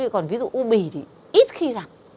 còn ví dụ u bì thì ít khi gặp